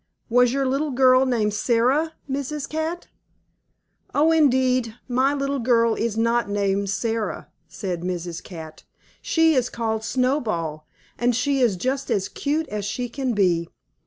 "Was your little girl named Sarah, Mrs. Cat?" "Oh, indeed, my little girl is not named Sarah," said Mrs. Cat. "She is called Snowball, and she is just as cute as she can be.